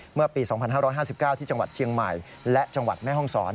เมื่อปี๒๕๕๙ที่จังหวัดเชียงใหม่และจังหวัดแม่ห้องศร